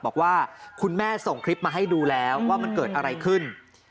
บอกว่าคุณแม่ส่งคลิปมาให้ดูแล้วว่ามันเกิดอะไรขึ้น